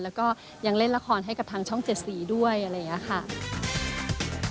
แล้วก็ยังเล่นละครให้กับทางช่อง๗๔ด้วยอะไรอย่างนี้ค่ะ